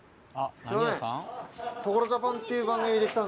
すいません。